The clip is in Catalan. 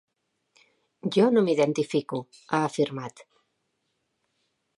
Jo no m’identifico, ha afirmat.